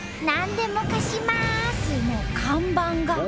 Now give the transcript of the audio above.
「何んでも貸します」の看板が。